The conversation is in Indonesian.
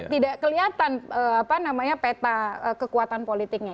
tidak kelihatan peta kekuatan politiknya